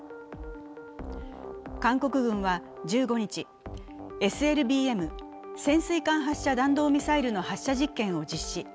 韓国軍は１５日、ＳＬＢＭ＝潜水艦発射弾道ミサイルの発射実験を実施。